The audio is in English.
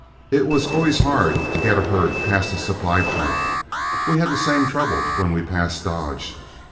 It was always hard to get a herd past a supply point. We had the same trouble when we passed Dodge.